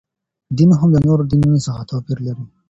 دین هم د نورو دینونو څخه توپیر لري.